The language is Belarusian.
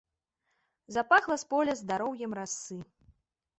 Запахла з поля здароўем расы.